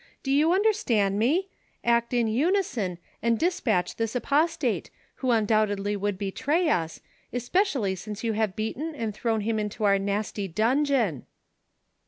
Do you understand me ? Act in unison, and dispatch this apostate, who undoubtedly would betray us, especially THE CONSPIRATORS AXD LOVERS. 133 since you have beaten and thrown him into our nasty dungeon."